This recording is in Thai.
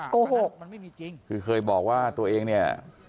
โกหกมันไม่มีจริงคือเคยบอกว่าตัวเองเนี่ย